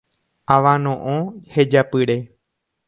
Avano'õ hejapyre.